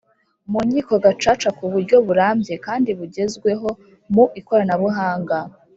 mu Nkiko Gacaca ku buryo burambye kandi bugezweho mu ikoranabuhang